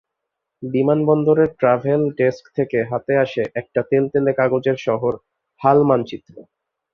বিমানবন্দরের travel desk থেকে হাতে আসে একটা তেলতেলে কাগজের শহর হাল-মানচিত্র।